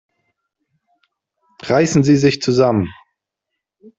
Reißen Sie sich zusammen!